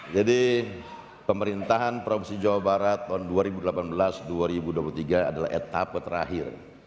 jadi pemerintahan provinsi jawa barat tahun dua ribu delapan belas dua ribu dua puluh tiga adalah etapa terakhir